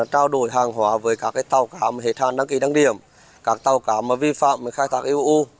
trao đổi hàng hóa với các tàu cá mà hệ thang đăng ký đăng điểm các tàu cá mà vi phạm khai thác eu